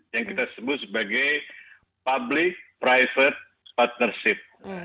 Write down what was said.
yang kita sebut sebagai public private partnership